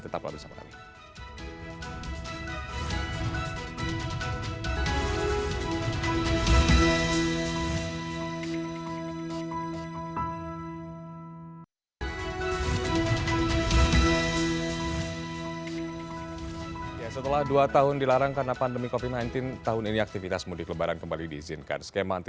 tetap lagi bersama kami